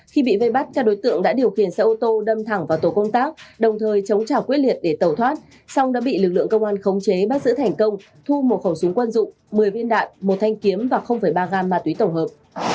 khi bị vây bắt các đối tượng đã điều khiển xe ô tô đâm thẳng vào tổ công tác đồng thời chống trả quyết liệt để tẩu thoát xong đã bị lực lượng công an khống chế bắt giữ thành công thu một khẩu súng quân dụng một mươi viên đạn một thanh kiếm và ba gram ma túy tổng hợp